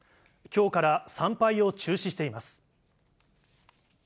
きょうから参拝を中止しています。